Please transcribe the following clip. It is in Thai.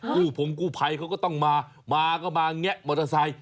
กู้ผงกู้ไพต้องมามาก็มาเนี่ยมอเตอร์ไซค์